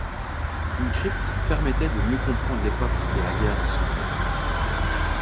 Une crypte permettait de mieux comprendre l'époque de la Guerre de Cent Ans.